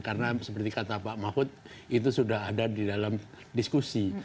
karena seperti kata pak mahud itu sudah ada di dalam diskusi